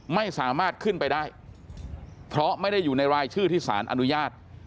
ไม่สามารถขึ้นไปได้เพราะไม่ได้อยู่ในรายชื่อที่สารอนุญาต